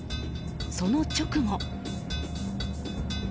その直後。